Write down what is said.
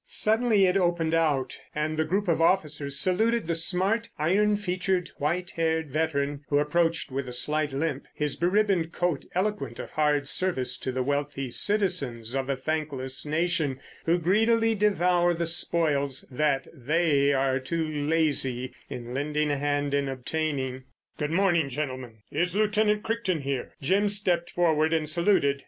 Suddenly it opened out and the group of officers saluted the smart, iron featured, white haired veteran who approached with a slight limp, his beribboned coat eloquent of hard service to the wealthy citizens of a thankless nation who greedily devour the spoils that they are too lazy in lending a hand in obtaining. "Good morning, gentlemen. Is Lieutenant Crichton here?" Jim stepped forward and saluted.